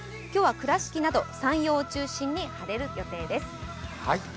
今日は倉敷など山陽を中心に晴れる予定です。